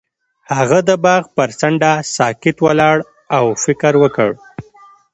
هغه د باغ پر څنډه ساکت ولاړ او فکر وکړ.